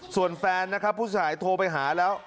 ส่วนแฟนนะครับผู้เสียหายโทรไปหาแล้ว